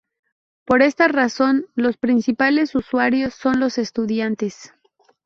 Por esta razón los principales usuarios son los estudiantes.